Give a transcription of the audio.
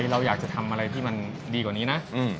เราอยากจะทำอะไรที่มันดีกว่านี้นะ